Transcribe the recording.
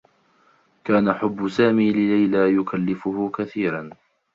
كان حبّ سامي لليلى يكلّفه كثيرا.